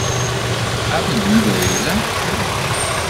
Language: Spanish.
¿ha vivido ella?